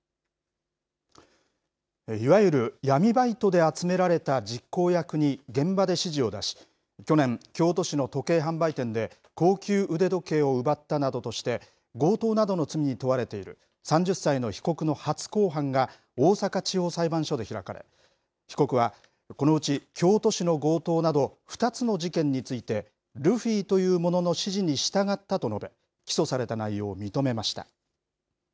いわゆる闇バイトで集められた実行役に現場で指示を出し、去年、京都市の時計販売店で高級腕時計を奪ったなどとして、強盗などの罪に問われている３０歳の被告の初公判が、大阪地方裁判所で開かれ、被告はこのうち、京都市の強盗など２つの事件について、ルフィという者の指示に従ったと述べ、起訴された内容を認めました。